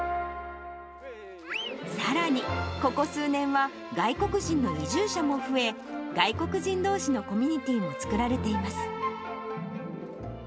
さらに、ここ数年は、外国人の移住者も増え、外国人どうしのコミュニティーも作られています。